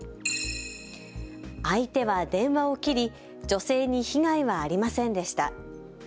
相手は電話を切り、女性に被害はありませんでした。